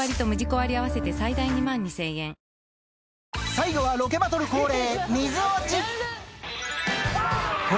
最後はロケバトル恒例！